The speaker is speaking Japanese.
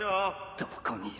どこにいる？